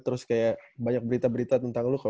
terus kayak banyak berita berita tentang lu kok